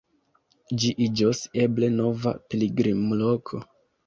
Ĝi iĝos eble nova pilgrimloko.